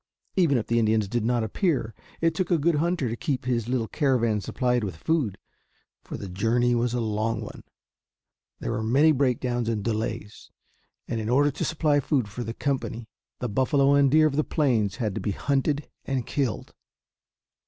Even if the Indians did not appear, it took a good hunter to keep his little caravan supplied with food. For the journey was a long one; there were many breakdowns and delays; and in order to supply food for the company the buffalo and deer of the plains had to be hunted and killed.